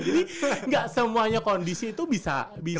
jadi enggak semuanya kondisi itu bisa